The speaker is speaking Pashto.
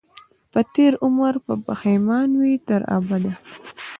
په تېر عمر به پښېمان وي تر ابده